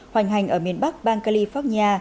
hoành hành ở miền bắc bang california